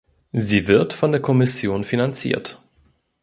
Sie wird von der Kommission finanziert.